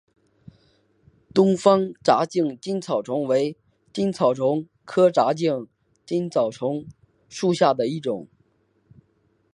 东方窄颈金花虫为金花虫科窄颈金花虫属下的一个种。